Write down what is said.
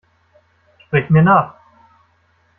Sprich mir nach!